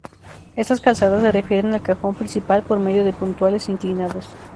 Estas calzadas se refieren al cajón principal por medio de puntales inclinados.